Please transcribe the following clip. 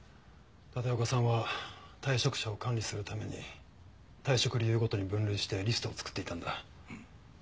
立岡さんは退職者を管理するために退職理由ごとに分類してリストを作っていたんだ。